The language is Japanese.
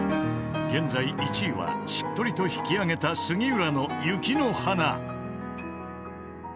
［現在１位はしっとりと弾きあげた杉浦の『雪の華』］